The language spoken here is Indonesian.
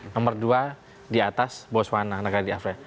nomor dua di atas boswana negara di afrika